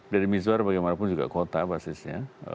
deddy mizwar bagaimanapun juga kota basisnya